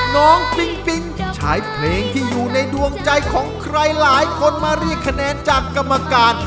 ปิ๊งปิ๊งใช้เพลงที่อยู่ในดวงใจของใครหลายคนมาเรียกคะแนนจากกรรมการ